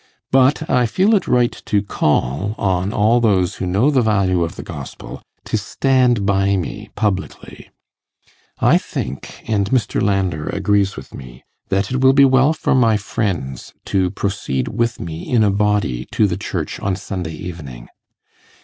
But I feel it right to call on all those who know the value of the Gospel, to stand by me publicly. I think and Mr. Landor agrees with me that it will be well for my friends to proceed with me in a body to the church on Sunday evening.